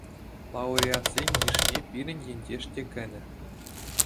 Лауреатсен йышне пирӗн ентеш те кӗнӗ.